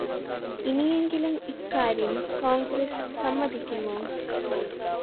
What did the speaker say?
ഇനിയെങ്കിലും ഇക്കാര്യം കോൺഗ്രസ് സമ്മതിക്കുമോ?